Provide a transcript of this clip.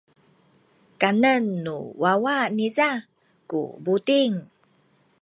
kanen nu wawa niza ku buting.